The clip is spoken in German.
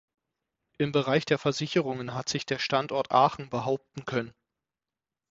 Im Bereich der Versicherungen hat sich der Standort Aachen behaupten können.